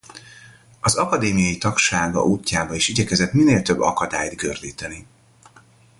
Az akadémiai tagsága útjába is igyekezett minél több akadályt gördíteni.